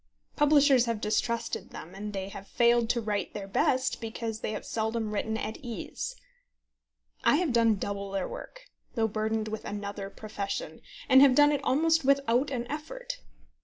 Publishers have distrusted them, and they have failed to write their best because they have seldom written at ease. I have done double their work, though burdened with another profession, and have done it almost without an effort.